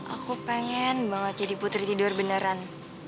aku pengen banget jadi putri tidur beneran